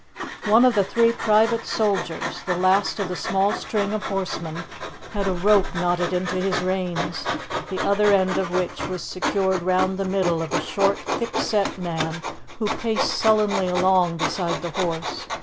One of the three private soldiers, the last of the small string of horsemen, had a rope knotted into his reins, the other end of which was secured round the middle of a short, thickset man who paced sullenly along beside the horse.